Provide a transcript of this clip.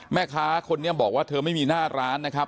แม่ค้าคนนี้บอกว่าเธอไม่มีหน้าร้านนะครับ